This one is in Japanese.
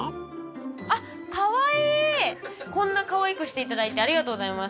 こんなかわいくしていただいてありがとうございます。